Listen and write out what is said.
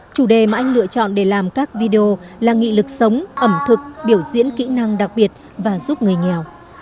chủ đề mà anh lựa chọn để làm các video là nghị lực sống ẩm thực biểu diễn kỹ năng đặc biệt và giúp người nghèo